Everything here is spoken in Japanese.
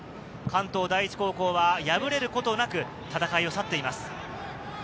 関東第一高校は敗れることなく戦いを去っています。